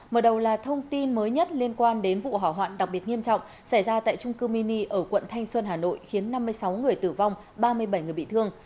mở đầu là thông tin mới nhất liên quan đến vụ hỏa hoạn đặc biệt nghiêm trọng xảy ra tại trung cư mini ở quận thanh xuân hà nội khiến năm mươi sáu người tử vong ba mươi bảy người bị thương